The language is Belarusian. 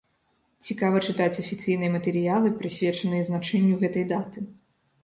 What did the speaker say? Цікава чытаць афіцыйныя матэрыялы, прысвечаныя значэнню гэтай даты.